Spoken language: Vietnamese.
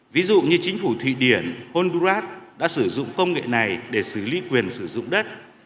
ví dụ như chính phủ thụy điển honduras đã sử dụng công nghệ này để xử lý quyền sử dụng đất